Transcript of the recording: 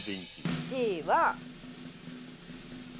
１位は。